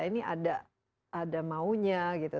ini ada maunya gitu